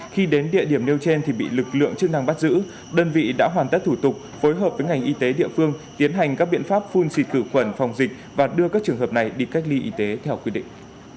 khi đến địa điểm nêu trên thì bị lực lượng chức năng bắt giữ đơn vị đã hoàn tất thủ tục phối hợp với ngành y tế địa phương tiến hành các biện pháp phun xịt khử quẩn phòng dịch và đưa các trường hợp này đi cách ly y tế theo quy định